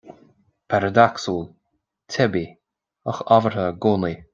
Paradacsúil, teibí, ach ábhartha i gcónaí